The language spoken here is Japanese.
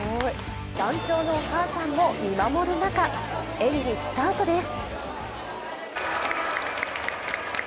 団長のお母さんも見守る中、演技スタートです。